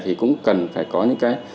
thì cũng cần phải có những cái